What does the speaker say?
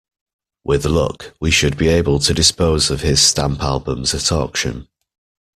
With luck, we should be able to dispose of his stamp albums at auction